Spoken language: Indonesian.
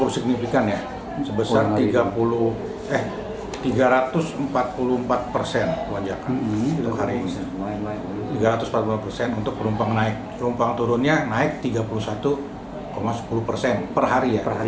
perumpang naik perumpang turunnya naik tiga puluh satu sepuluh persen per hari ya